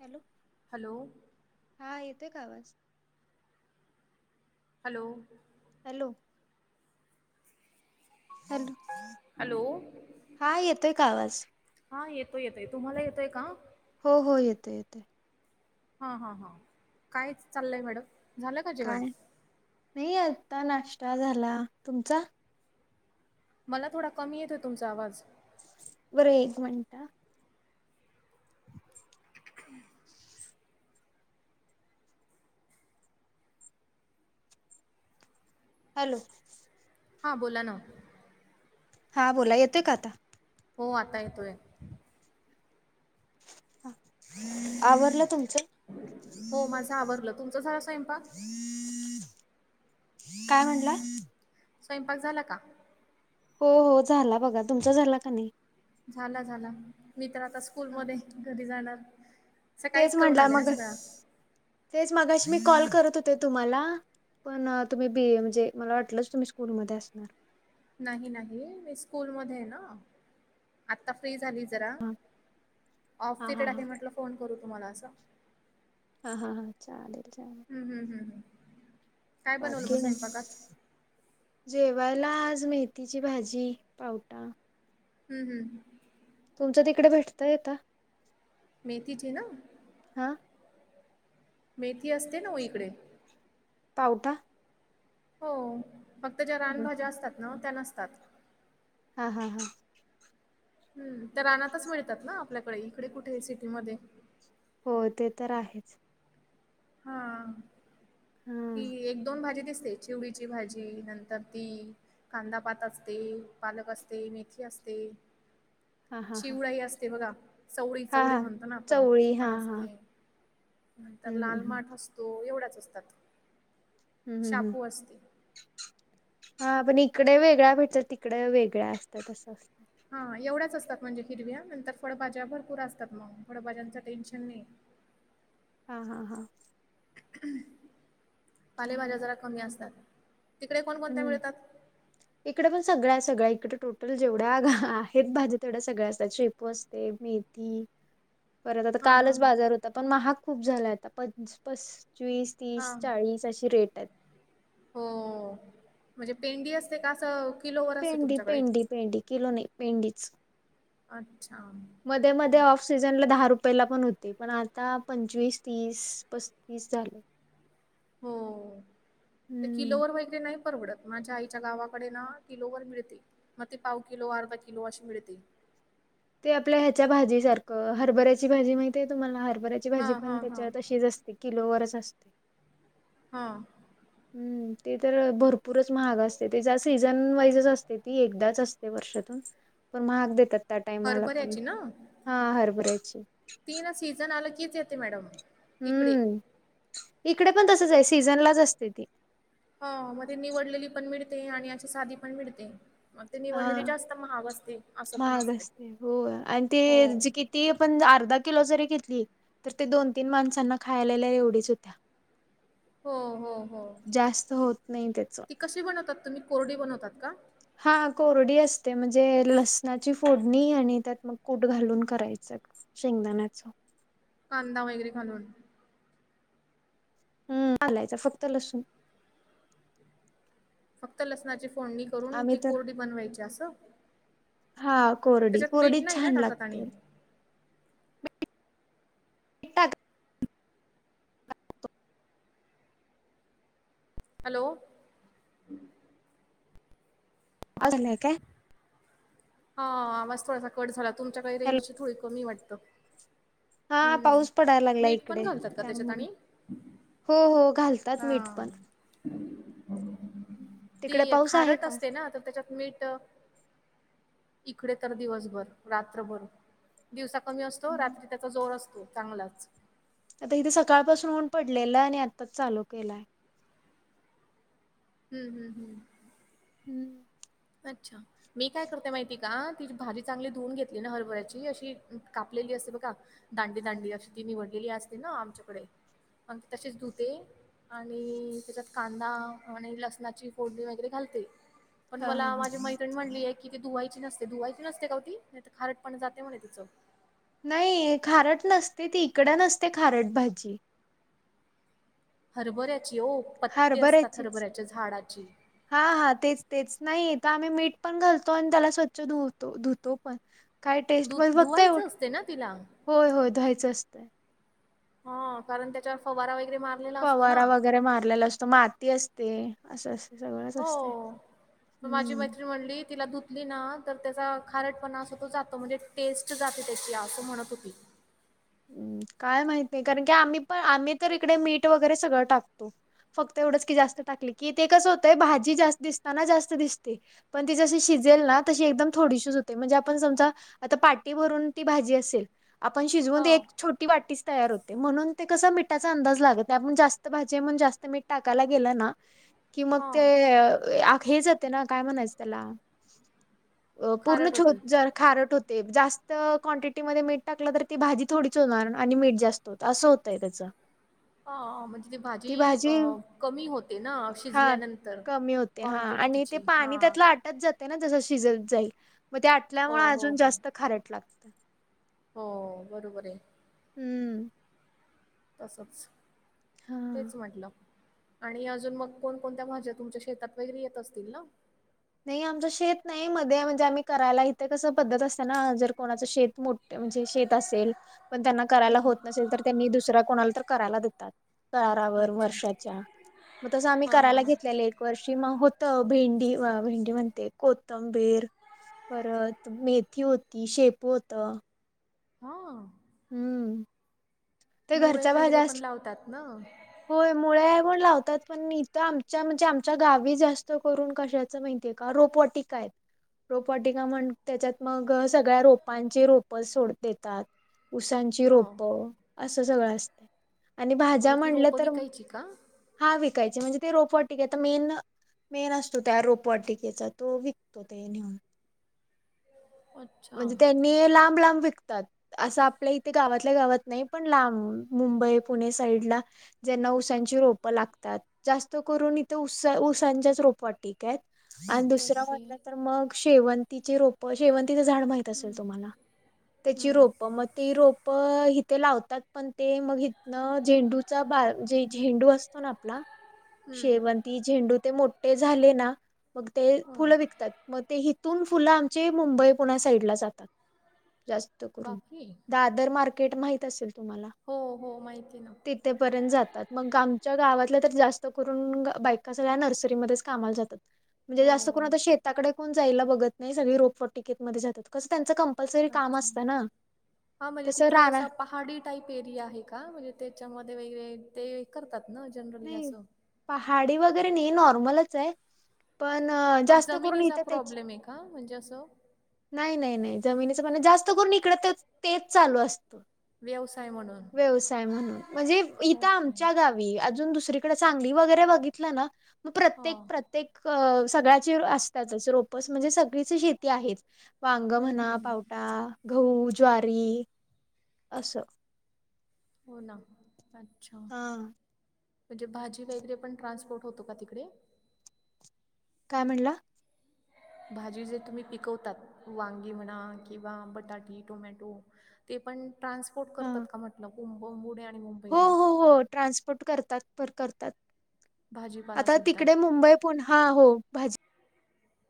Hello [inaudible] hello. हा येतोय का आवाज? हॅलो. हॅलो. हॅलो, हॅलो हा येतोय का आवाज? हा येतो, येतोय, तुम्हाला येतोय का? हो हो येतो, येतो. हा हा हा कायच चाललंय मॅडम? झालं का जेवण? काय नाही आता नाश्ता झाला, तुमचा? मला थोडा कमी येतोय तुमचा आवाज. बरं एक मिंनट अ. हम् [inaudible] हॅलो. हां बोला ना. हां बोला, येतोय का आता? हो आता येतोय. आवरल तुमचं? हो माझं आवरल, तुमच झाला स्वयंपाक? काय म्हटला? स्वयंपाक झाला का? हो हो झाला बघा, तुमचा झाला का नाही? झाला, झाला मी तर आता स्कूल मध्ये घरी जाणार. तेच सकाळीच करून म्हटलं आले ना मग सगळा. तेच मागाशी मी कॉल करत होते तुम्हाला. पण तुम्ही बी ए म्हणजे मला वाटलंच तुम्ही स्कूलमध्ये असणार. नाही, नाही मी स्कूल मध्ये आहे ना. आता फ्री झाली जरा हां ऑफ हां पिरियड हां आहे म्हटलं फोन करू तुम्हाला अस. हा हा हा चालेल, चालेल. हम्म, हम्म, हम्म, हम्म. काय बनवलं मग बाकी नाही स्वयंपाकात [inaudible] जेवायला आज मेथीची भाजी, पावटा हम, हम तुमच तिकडे भेटतय येता मेथीचे ना हा मेथी असते नाओ इकडे पावटा हो फक्त ज्या रानभाज्या हम्म. असतात ना त्या नसतात हा, हा, हा हम त्या रानातच मिळतात ना आपल्याकडे इकडे कुठे सिटीमध्ये हो ते तर आहेच हा की हा एक दोन भाजी दिसते चिवडीची भाजी नंतर ती कांदापात असते पालक असते मेथी असते हा हा हा चिवळाई असते बघा चवळी हा चवडी हा. म्हणतो ना आपण ती चवळी हा पण हा असते नंतर हम्म हम्म हम्म. लालमाट नसतो एवढाच असतात हम, हम, हम शापू असते. हा पण इकडे वेगळ्या भेटतात तिकडे वेगळ्या असतात हा एवढ्याच असतात म्हणजे हिरव्या नंतर फळभाज्या भरपूर असतात मग फळभाज्यांचं टेन्शन नाही हा, हा, हा पालेभाज्या चालेल जरा कमी असतात तिकडे कोणकोणत्या हम्म. मिळतात इकडे पण सगळ्या आहे सगळ्या इकडें टोटल जेवढ्या गा आहेत भाजी तेवढ्या सगळ्या असत शेपू असतो मेथी परत आता हां हां कालच बाजार होता पण महाग खूप झाला आता प पस्वीस तीस, हां. चाळीस अशी रेट आहेत हो म्हणजे पेंडी असते का असं किलोवर असते पेंडी, तुमच्याकडे? पेंडी, पेंडी किलो नाही पेंडीच अच्छा. मध्ये, मध्ये ऑफ सीझनला दहा रुपयेला पण होती पण आता पंचवीस तीस, पस्तीस झाली हो तर हम्म किलोवर व नाही परवडत माझ्या आईच्या गावाकडे ना किलोवर मिळते म ते पाव किलो अर्धा किलो अशी मिळते ते आपल्या ह्याच्या भाजी सारखं हरभऱ्याची भाजी माहतीय तुम्हाला हरभऱ्या ती भाजी हां पण हां हां. त्याच्यात अशीच असते किलोवरच असते ह हम्म ते तर भरपूरच महाग असते तेच्या सीझन वाईजच असते ती एकदाच असते वर्षातून पण महाग देतात त्या टायमाला हरभऱ्याची ना? हा हरभरायची ती ना सीझन आल कीच येते मॅडम इकडे हम्म इकडे पण तसच आहे सीझन लाच असते ती हो मग ते निवडलेली पण मिळते आणि याची साधी पण मिळते मग ते हा निवडलेली जास्त महाग असते असं पण महाग असते हो ती आपण अर्धा किलो जरी घेतली तर ते दोन, तीन माणसांना खायलाल्या एवढीच होत्या हो, हो, हो जास्त होत नाही त्याच ती कशी बनवतात तुम्ही कोरडी बनवतात का हा कोरडी असते म्हणजे लसणाची फोडणी आणि त्यात मग कूट घालून करायचं शेंगदाण्याच कांदा वगैरे घालून. हम्, घालायच फक्त लसून. फक्त लसणाची फोडणी करून आम्ही ती तर कोरडी बनवायची असं? हा कोरडी त्याच्यात मीठ कोरडी नाही ना छान टाकत आणि? लागते. हॅलो. [unintelligible] हा आवाज थोडासा कट झाला तुमच्याकडे हॅलो रेंजची थोडी कमी ए वाट हा पाऊस पडाय लागलाय मीठ पण इकडे घालतात का त्याच्यात त्यामुळं आणि? हो हो घालतात मीठ हा. पण. तिकडे ती पाऊस आहे खारट का असते ना तर त्याच्यात मीठ इकडे तर दिवसभर रात्रभर दिवसा कमी असतो रात्री त्याचा जोर असतो चांगलाच. आता हित सकाळपासून ऊन पडलेला आहे आणि आत्ताच चालू केलाय. हम्म हम्म हम्. हम्. अच्छा. मी काय करते माहिती आय का तिची भाजी चांगली धुवून घेतली ना हरभऱ्याची अशी कापलेली असते बगा दांडी दांडी अशी ती निवडलेली असते ना आमच्याकडे अन् ती तशीच धुते. आणि त्याच्यात कांदा आणि लसणाची फोडणी वगैरे घालते. पण हा हा मला हा माझी मैत्रणी म्हणली ए की ती धुवायची नसते धुवायची नसते का ओ ती नाय तर खारट पण जाते म्हणे तिचं. नाइ खारट नसते ती इकडं नसते खारट भाजी. हरभऱ्याची ओ पत्ते असतात हरभऱ्याचीच. हरभऱ्याच्या झाडाची. हा हा तेच तेच नाही हित आम्ही मीठ पण घालतो आणि त्याला स्वच्छ धुतो धुतो पण. काय टेस्ट धु म बघताय, धुवायचं असते ना तिला. होय होय धुवायचं असतंय. हा कारण त्याच्यावर फवारा वगैरे मार फवारा वगैरे मारलेला असतो माती अस ते असं असते सगळंच असते हम्म. म्हणाली तिला धू ली ना तर त्याचा खारटपणा असं तो जातो म्हणजे टेस्ट जाते त्याची असं म्हणत होती. हम्, काय माहित नाय कारण की आम्ही पण आम्ही तर इकडे मीठ वगैरे सगळं टाकतो. फक्त एवढंच की जास्त टाकली की ते कसं होतंय भाजी जास्त दिसताना जास्त दिसते. पण ती जशी शिजेल ना तशी एकदम थोडीशीच होते म्हणजे आपण समजा आता पाटी भरून ती भाजी असेल आपण शिजवून हो ते छोटी वाटीस तयार होते म्हणून ते कसा मिठाचा अंदाज लागत नाय आपण जास्त भाजी म्हणून जास्त मीठ टाकायला गेलं ना [inaudible] कि मग ते हे जाते ना काय म्हणायचं त्याला पूर्ण खारट होती. खारट होते जास्त क्वांटिटीमध्ये मीठ टाकलं तर ती भाजी थोडीचं होनार आणि मीठ जास्त होतं असं होतंय त्याच. हा म्हणजे ती भाजी अ कमी होते ना हा शिजल्यानंतर? कमी होते हा क्वांटिटीची आणि ते तिची हा. पाणी त्यातलं आटत जाते ना जसं शिजत जाईल मग ते हो आटल्यामुळ हो अजून हो जास्त खारट लागत. हो बरोबर ए. हम्म. तसच हा तेच म्हटलं. आणि अजून मग कोणकोणत्या भाज्या तुमच्या शेतात वगैरे येत असतील ना? नाही आमचं शेत नाही मध्ये म्हणजे आम्ही करायला, इथे कसं पद्धत असते ना, जर कोणाचं शेत मोठं. म्हणजे शेत असेल, पण त्यांना करायला होत हम्म नसेल, तर त्यांनी दुसऱ्या कोणाला तर करायला देतात. करारावर अच्छा वर्षाच्या. मग तसं आम्ही हां हां करायला हां घेतलेले. वर्षी मग होत भेंडी, भेंडी म्हणते कोथंबीर परत मेथी होती, शेपु होतं. हा. हम्म. ते मुळे घरच्या वगैरे भाज्या असल्या पण लावतात ना. होय मुळे पण लावतात. पण इथं आमच्या म्हणजे आमच्या गावी जास्त करून कशाच माहिती का रोपवाटिका आहेत? रोपवाटिका म्हण त्याच्यात मग सगळ्या रोपांचे रोप सोड देतात. ऊसांची हो रोप, असं सगळं असतं. आणि भाज्या मग ती म्हणलं रोपं तर विकायची का? हा विकायचे. म्हणजे ते रोपवाटिकेचा मेन, मेन असतो त्या रोपवाटिकेचा तो विकतो. ते नेउन [inaudible] अच्छा म्हणजे त्यांनी लांब, लांब विकतात. असं आपल्या इथे गावातल्या गावात नाही, पण लांब मुंबई, पुणे साईडला. ज्यांना ऊसांची रोपं लागतात. जास्त करून इथं ऊसा ऊसांच्याच रोपवाटीका आहेत. आणि दुसरं ओके म्हटलं, तर मग शेवंतीची रोप. शेवंतीच झाड माहित त असेल हम्म तुम्हाला. त्याची हम्म रोप मग ते रोप इथे लावतात. पण ते मग इथनं झेंडूचा बाग, जे झेंडू असतो ना आप ना हम्म शेवंती, झेंडू ते मोठे झाले ना, मग ते हो फुलं विकतात. मग ते ह इथून फुलं आमची, मुंबई पुणा साईड ला जातात जास्त करून. बापरे दादर मार्केट माहीत असेल तुम्हाला? हो हो माहिती ना. तिथेपर्यंत जातात. मग आमच्या गावातल्या, तर जास्त करून बायका सगळ्या नर्सरीमध्येच कामाला जातात. म्हणजे हो जास्त करून आता शेताकडे कोण जायला बघत नाही, सगळे रोपवाटिकेत मध्ये जातात. कसं त्यांचं कंपल्सरी काम असतं ना. हा म्हणजे तसं तिथे राहणार असं पहाडी टाईप एरिया आहे का? म्हणजे त्याच्यामध्ये वगळे ते करतात ना जनरली नाही असं. पहाडी वगैरे नाही नॉर्मलच आहे. पण मग जास्त करून जमिनीचा येतं त्याची [inaudible] प्रॉब्लेम आहे का म्हणजे असं नाही, नाही, नाही जमिनच म्हणा. जास्त करून इकड तेच तेच चालू असतं. व्यवसाय म्हणून [inaudible] व्यवसाय म्हणून. म्हणजे इथ ओके आमच्या गावात [unintelligible] अजून दुसरीकडे सांगली वगैरे बघितलं ना, मग हो प्रत्येक हम्म प्रत्ये तेक सगळ्याचे असतातच रोपस. म्हणजे सगळीच शेती आहे. वांग हम्म म्हणा, हम्म पावटा, गहू, ज्वारी असं. हो ना. अच्छा! हा म्हणजे भाजी वगैरे पण ट्रान्सपोर्ट होतो का तिकडे? काय म्हणला? भाजी जर तुम्ही पिकवतात, वांगी म्हणा किंवा बटाटे, टोमॅटो ते पण ट्रान्सपोर्ट हा करतात का म्हटलं? बम आणि मु हो हो हो ट्रान्सपोर्ट करतात पर करतात भाजीपाला आता सुद्धा तिकडे मुंबई पुन्हा हो भाजी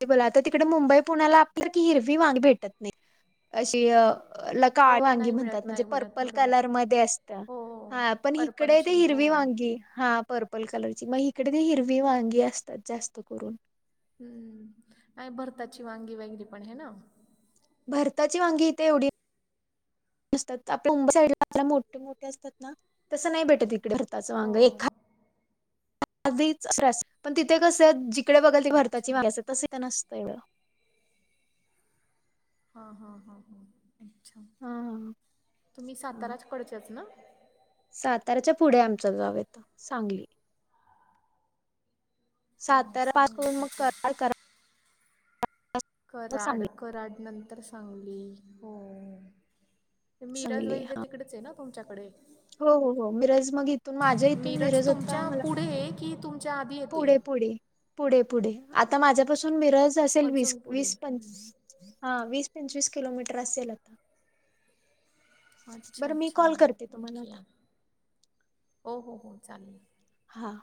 ते बोला आता तिकडे मुंबई पुण्याला आपल्या की हिरवी वांगी भेटत नाही अशी अ ल हो काळी वांगी नाही म्हणतात मिळत म्हणजे नाही मिळत पर्पल बरोबर कलर मध्ये असत. हो हा पण हिकडे ते पर्पलची हो हिरवी वांगी हा. पर्पल कलरची मग इकडे ते हिरवी वांगी असतात जास्त करून. हम्म आणि भरताची वांगी वगैरे पण ह ना? भरताची वांगी इथे एवढी नसतात आपल्या मुंबई साईड ला मोठे मोठे असतात ना तस नाही भेटत इथं. इथं भरताचं हो वांग एखा [unintelligible] पण तिथे कस ची जिकडं बघल ती अच्छा भारताची माग तस तर नसतं येवड. हा हा हा ह अच्छा हा तुम्ही हा साताराच कडच्याच ना? साताऱ्याच्या पुढे आमचं गाव येत सांगली. हो सातरा पास सांगली करून मग ओके करार क मग कराड सांगली कराड नंतर सांगली हो. मिराज सांगली वगैरे तिकडेच आहे ना तुमच्याकडे? हो हो हो मीराज मग ई मिरज तुमच्या पुढे की तुम पुढे पुढे पुढे पुढे आता माझ्यापासून मिरज असेल वीस अजून पुढे. वीस हम्म. पंचवी हा वीस पंचवीस किलोमीटर असेल आता. अच्छा बरं मी अच्छा कॉल करते तुम्हाला ओके आता हो हो हो चालेल. हां.